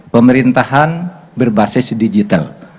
pemerintahan berbasis digital